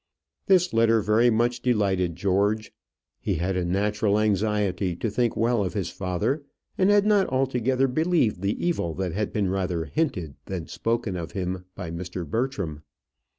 This letter very much delighted George. He had a natural anxiety to think well of his father, and had not altogether believed the evil that had been rather hinted than spoken of him by Mr. Bertram.